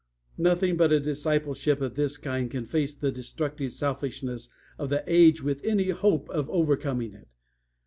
Nothing but a discipleship of this kind can face the destructive selfishness of the age with any hope of overcoming it.